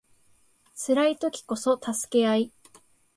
辛い時こそ助け合い